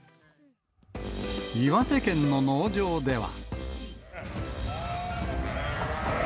岩手県の農場では。